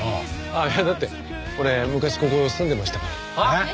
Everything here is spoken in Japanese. だって俺昔ここ住んでましたから。